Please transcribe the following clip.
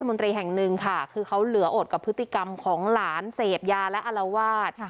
มนตรีแห่งหนึ่งค่ะคือเขาเหลืออดกับพฤติกรรมของหลานเสพยาและอลวาด